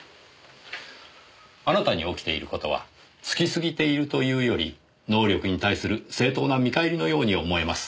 あなたに起きている事はツキすぎているというより能力に対する正当な見返りのように思えます。